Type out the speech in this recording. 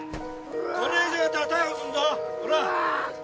これ以上やったら逮捕すんぞ！ほら！